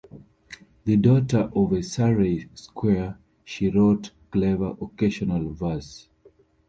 The daughter of a Surrey squire, she wrote clever occasional verse.